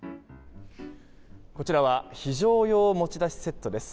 こちらは非常用持ち出しセットです。